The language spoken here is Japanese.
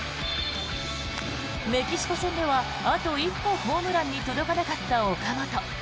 メキシコ戦では、あと一歩ホームランに届かなかった岡本。